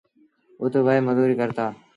اُت وهي مزوريٚ ڪرتآ۔